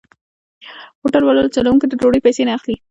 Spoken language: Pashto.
هوټل والا له چلوونکو د ډوډۍ پيسې نه اخلي.